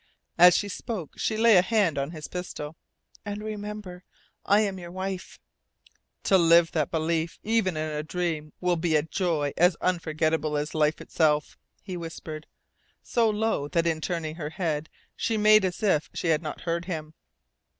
As she spoke she lay a hand on his pistol. "And remember: I am your wife!" "To live that belief, even in a dream, will be a joy as unforgettable as life itself," he whispered, so low that, in turning her head, she made as if she had not heard him.